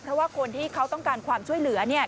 เพราะว่าคนที่เขาต้องการความช่วยเหลือเนี่ย